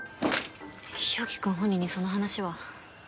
日沖君本人にその話は？